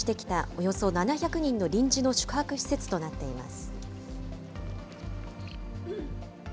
およそ７００人の臨時の宿泊施設となっています。